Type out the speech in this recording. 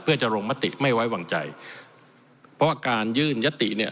เพื่อจะลงมติไม่ไว้วางใจเพราะการยื่นยติเนี่ย